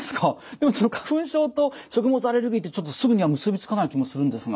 でもその花粉症と食物アレルギーってちょっとすぐには結び付かない気もするんですが。